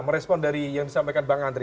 merespon dari yang disampaikan bang andri